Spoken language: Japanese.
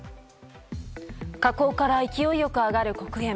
火口から勢いよく上がる黒煙。